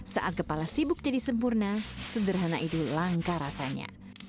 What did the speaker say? saat kepala sibuk jadi sempurna sederhana itu langka rasanya